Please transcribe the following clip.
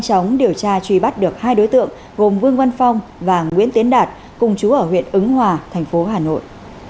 chúng điều tra truy bắt được hai đối tượng gồm vương văn phong và nguyễn tiến đạt cùng chú ở huyện ứng hòa thành phố hà nội